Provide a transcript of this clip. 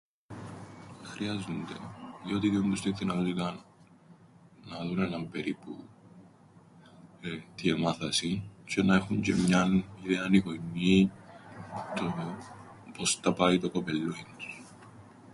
Χρειάζουνται, διότι διούν τους την δυνατότηταν να δουν έναν περίπου, εεε, τι εμάθασιν, τζ̆αι να έχουν τζ̆αι μιαν ιδέαν οι γονιοί του πώς τα πάει το κοπελλούιν τους.